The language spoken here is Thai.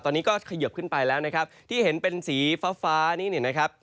ตอนนี้ก็เขยิบขึ้นไปแล้วนะครับที่เห็นเป็นสีฟ้าฟ้านี้เนี่ยนะครับ